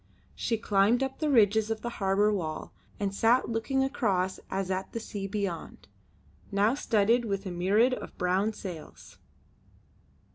She climbed up the ridges of the harbour wall and sat looking across as at the sea beyond, now studded with a myriad of brown sails.